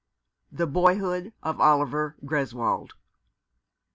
THE BOYHOOD OF OLIVER GRESWOLD.